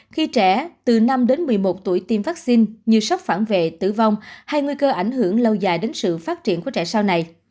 khi trẻ từ năm đến một mươi một tuổi tiêm vaccine như sốc phản vệ tử vong hay nguy cơ ảnh hưởng lâu dài đến sự phát triển của trẻ sau này